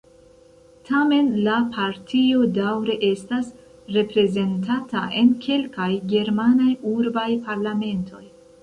Tamen la partio daŭre estas reprezentata en kelkaj germanaj urbaj parlamentoj.